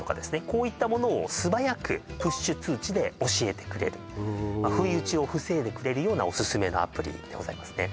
こういったものを素早くプッシュ通知で教えてくれる不意打ちを防いでくれるようなオススメのアプリでございますね